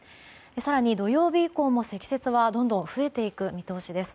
更に土曜日以降も積雪はどんどん増えていく見通しです。